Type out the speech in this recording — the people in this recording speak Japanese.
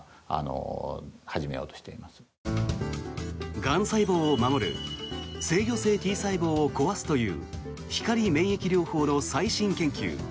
がん細胞を守る制御性Ｔ細胞を壊すという光免疫療法の最新研究。